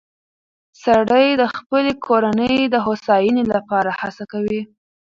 سړی د خپلې کورنۍ د هوساینې لپاره هڅه کوي